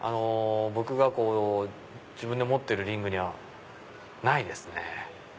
僕がこう自分で持ってるリングにはないですね。